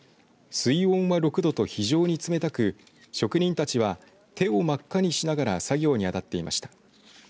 水温は６度と非常に冷たく職人たちは手を真っ赤にしながら作業に当たっていました。